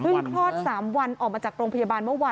คลอด๓วันออกมาจากโรงพยาบาลเมื่อวาน